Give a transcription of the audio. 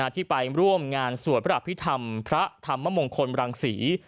ที่ไปร่วมงานสวดพระอภิษฐรรมพระธรรมมงคลรังศรี